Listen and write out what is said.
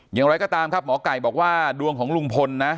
อย่างไรก็ตามครับหมอไก่บอกว่าดวงของลุงพลนะ